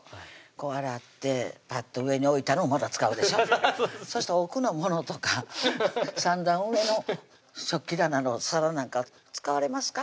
こう洗ってパッと上に置いたのをまた使うでしょそしたら奥のものとか３段上の食器棚の皿なんか使われますか？